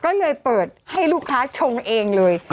ก็เลยเปิดให้ลูกค้าชงเองเลย